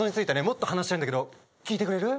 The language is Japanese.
もっと話したいんだけど聞いてくれる？